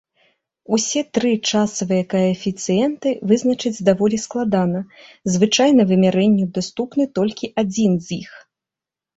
Усе тры часавыя каэфіцыенты вызначыць даволі складана, звычайна вымярэнню даступны толькі адзін з іх.